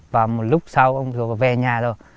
và một lúc sau ông rùa về nhà